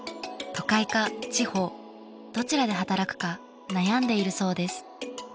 都会か地方どちらで働くか悩んでいるそうです。